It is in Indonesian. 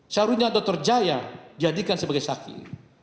seharusnya doktor jaya dijadikan sebagai sakit